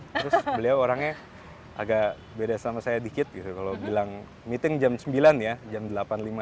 terus beliau orangnya agak beda sama saya dikit gitu kalo bilang meeting jam sembilan ya jam delapan lima puluh lima dia udah di tempat